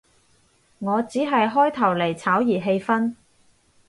我只係開頭嚟炒熱氣氛